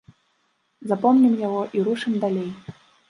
Запомнім яго і рушым далей.